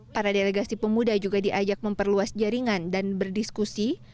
para delegasi pemuda juga diajak memperluas jaringan dan berdiskusi